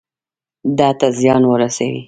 ده ته زيان ورسوي.